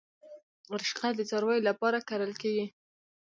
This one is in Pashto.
رشقه د څارویو لپاره کرل کیږي